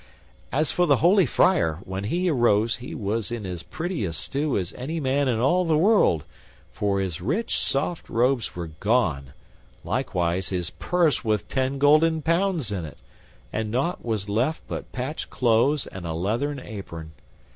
As for the holy friar, when he arose he was in as pretty a stew as any man in all the world, for his rich, soft robes were gone, likewise his purse with ten golden pounds in it, and nought was left but patched clothes and a leathern apron.